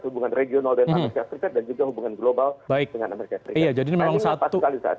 hubungan regional dan amerika serikat dan juga hubungan global dengan amerika serikat